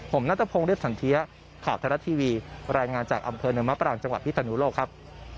ผมนัทพงศ์เรียบสันเทียข่าวไทยรัฐทีวีรายงานจากอำเภอเนินมะปรางจังหวัดพิศนุโลกครับ